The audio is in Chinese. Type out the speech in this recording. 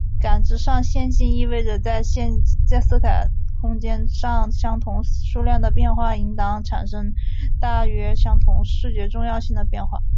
感知上线性意味着在色彩空间上相同数量的变化应当产生大约相同视觉重要性的变化。